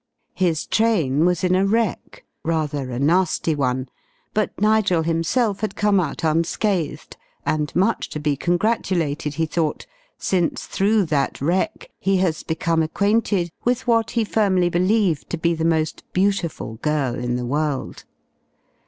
His train was in a wreck, rather a nasty one, but Nigel himself had come out unscathed, and much to be congratulated, he thought, since through that wreck he has become acquainted with what he firmly believed to be the most beautiful girl in the world.